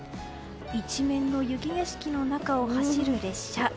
一面の雪景色の中を走る列車。